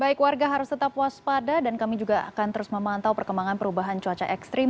baik warga harus tetap waspada dan kami juga akan terus memantau perkembangan perubahan cuaca ekstrim